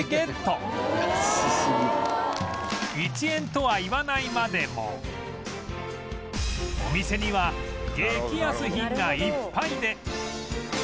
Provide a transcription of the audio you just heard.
１円とは言わないまでもお店には激安品がいっぱいで